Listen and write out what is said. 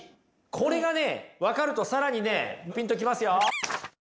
これがね分かると更にねピンと来ますよ。